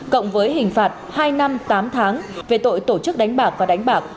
cộng với hình phạt hai năm tám tháng về tội tổ chức đánh bạc và đánh bạc